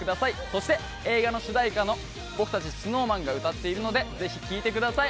そして映画の主題歌も僕達ＳｎｏｗＭａｎが歌っているのでぜひ聴いてください